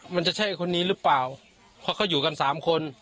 มันจะใช่คนนี้รึเปล่าพวกเขาอยู่กัน๓คน